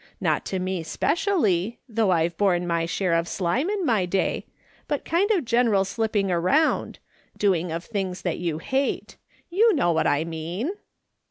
Not to me specially, though I've borne my share of slime in my day, but kind of general slipping around, doing of things that you hate. You know what I mean.